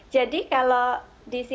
jadi kalau di sini